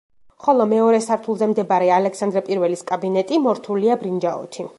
ხოლო მეორე სართულზე მდებარე ალექსანდრე პირველის კაბინეტი მორთულია ბრინჯაოთი.